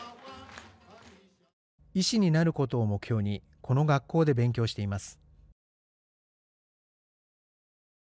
医師になることを目標にこの学校で勉強しています。